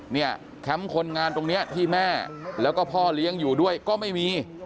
แคมป์คนงานตรงนี้ที่แม่แล้วก็พ่อเลี้ยงอยู่ด้วยก็ไม่มี